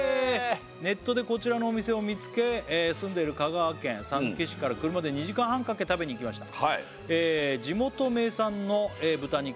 ネットでこちらのお店を見つけ住んでいる香川県さぬき市から車で２時間半かけ食べに行きました地元名産の豚肉